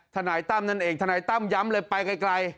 ทนายตั้มนั่นเองทนายตั้มย้ำเลยไปไกล